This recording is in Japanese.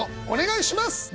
お願いします！